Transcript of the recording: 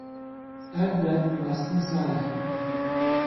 Ev der bi rastî sar e.